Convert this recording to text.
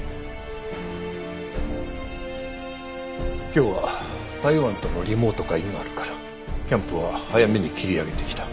今日は台湾とのリモート会議があるからキャンプは早めに切り上げてきた。